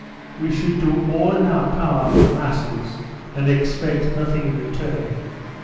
We should do all in our power for the masses, and expect nothing in return.